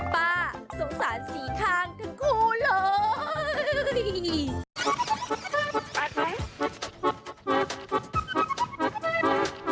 ป้าสงสารสีข้างทั้งคู่เลย